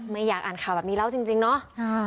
ไม่อยากอ่านข่าวแบบนี้เล่าจริงเนาะ